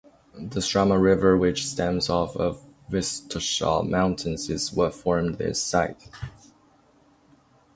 The Struma River, which stems off of Vitosha mountains, is what formed this site.